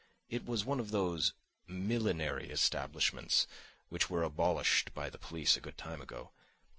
It was one of those "millinery establishments" which were abolished by the police a good time ago.